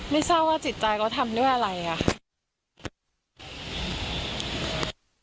ไม่ทราบว่าจิตใจเขาทำด้วยอะไรอะค่ะ